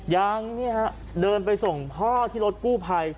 ยังเดินไปส่งพ่อที่รถกู้ภัย